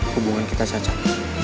hubungan kita cacat